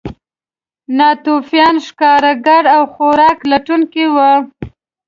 ناتوفیان ښکارګر او خوراک لټونکي وو.